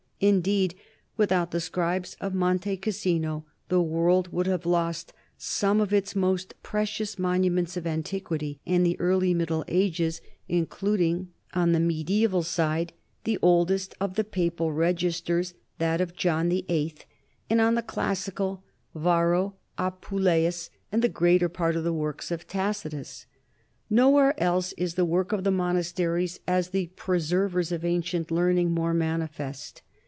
Indeed without the scribes of Monte Cassino the world would have lost some of its most precious monuments of antiquity and the early Middle Ages, including on the mediaeval side THE NORMAN KINGDOM OF SICILY .237 the oldest of the papal registers, that of John VIII, and on the classical, Varro, Apuleius, and the greater part of the works of Tacitus. Nowhere else is the work of the monasteries as the preservers of ancient learning more manifest.